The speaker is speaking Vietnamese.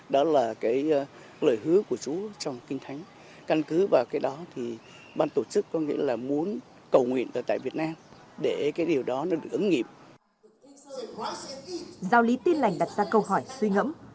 đó là lý do chúng tôi lựa chọn ở đây